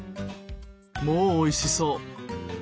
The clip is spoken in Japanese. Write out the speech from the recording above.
もうおいしそう。